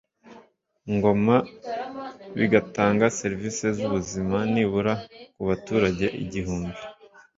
Ngoma bigatanga serivisi z’ubuzima nibura ku baturage igihumbi